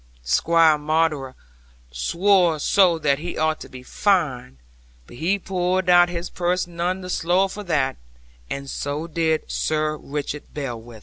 'Squire Maunder swore so that he ought to be fined; but he pulled out his purse none the slower for that, and so did Sir Richard Blewitt.